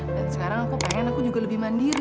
dan sekarang aku pengen aku juga lebih mandiri